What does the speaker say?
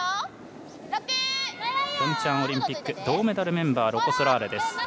ピョンチャンオリンピック銅メダルメンバーロコ・ソラーレです。